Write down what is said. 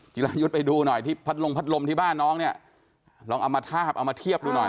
รายุทธ์ไปดูหน่อยที่พัดลงพัดลมที่บ้านน้องเนี่ยลองเอามาทาบเอามาเทียบดูหน่อย